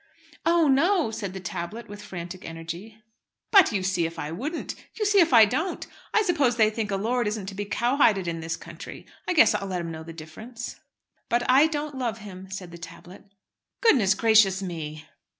"Oh, no!" said the tablet with frantic energy. "But you see if I wouldn't! You see if I don't! I suppose they think a lord isn't to be cowhided in this country. I guess I'll let 'em know the difference." "But I don't love him," said the tablet. "Goodness gracious me!"